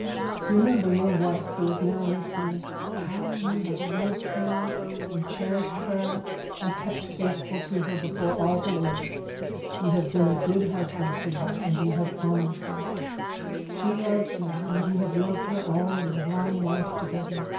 Remember your wife who is now with you; how you have loved her and cherished her, and kept faithful to her before all the world. You have been a good husband to her, and you have honoured her. She loves you, and you have loved her all your long life together.